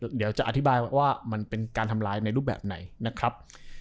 เดี๋ยวจะอธิบายว่ามันเป็นการทำลายในรูปแบบไหนนะครับ